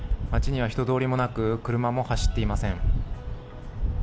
街には人通りもなく車も走っていません。